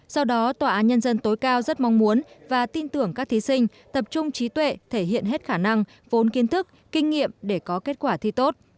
sau đó tòa án nhân dân tối cao rất mong muốn và tin tưởng các thí sinh tập trung trí tuệ thể hiện hết khả năng vốn kiến thức kinh nghiệm để có kết quả thi tốt